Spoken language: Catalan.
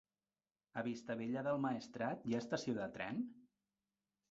A Vistabella del Maestrat hi ha estació de tren?